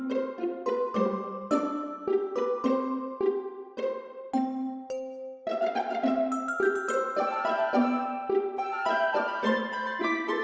kan bursa lama ulang tahun hari ini ayo cepetan mandi